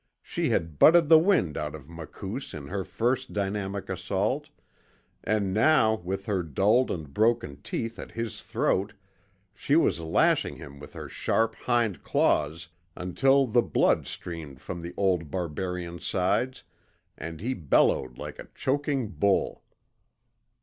She had butted the wind out of Makoos in her first dynamic assault, and now with her dulled and broken teeth at his throat she was lashing him with her sharp hind claws until the blood streamed from the old barbarian's sides and he bellowed like a choking bull.